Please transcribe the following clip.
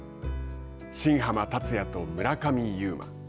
新濱立也と村上右磨。